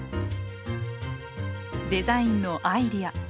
デザインのアイデア。